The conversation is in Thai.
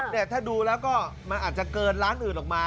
เนี่ยถ้าดูแล้วก็มันอาจจะเกินล้านอื่นออกมา